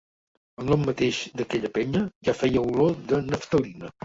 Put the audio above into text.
El nom mateix d'aquella penya ja feia olor de naftalina.